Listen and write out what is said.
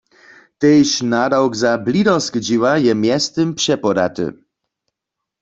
Tež nadawk za blidarske dźěła je mjeztym přepodaty.